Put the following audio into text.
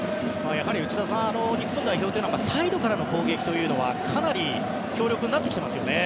やはり内田さん日本代表のサイドからの攻撃というのはかなり強力になってきてますよね。